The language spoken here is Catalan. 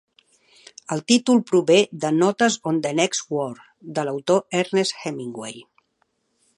El títol prové de "Notes on the Next War" de l'autor Ernest Hemingway.